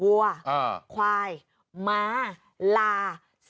วัวควายม้าลา